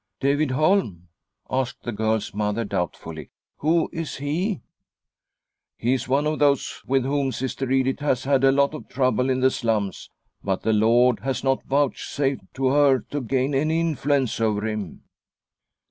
" David Holm? " asked the girl's mother doubt fully. "Who is he? "" He is one of those with whom Sister Edith has had a lot of trouble in the slums, but the Lord has not vouchsafed to her to gain any influence over him."